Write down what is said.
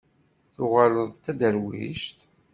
Tuɣaleḍ d taderwict?